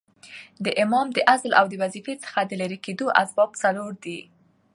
د امام د عزل او د وظیفې څخه د ليري کېدو اسباب څلور دي.